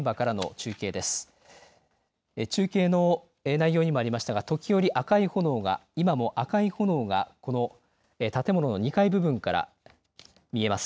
中継の内容にもありましたが時折、今も赤い炎がこの建物の２階部分から見えます。